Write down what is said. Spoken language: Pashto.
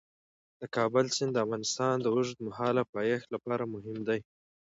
د کابل سیند د افغانستان د اوږدمهاله پایښت لپاره مهم دی.